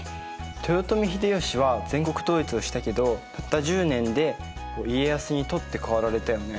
豊臣秀吉は全国統一をしたけどたった１０年で家康に取って代わられたよね。